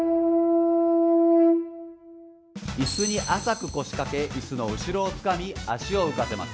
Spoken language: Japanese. イスに浅く腰掛けイスの後ろをつかみ足を浮かせます。